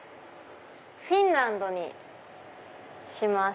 フィンランドにします。